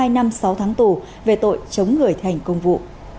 hai năm sáu tháng tù về tội chống người thành công vụ